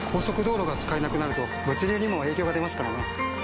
速道路が使えなくなると物流にも影響が出ますからね。